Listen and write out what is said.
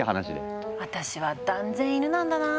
私は断然イヌなんだな。